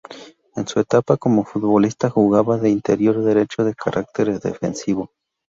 En su etapa como futbolista jugaba de interior derecho, de caracter defensivo.